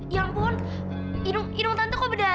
ya ampun hidung tante kok berdarah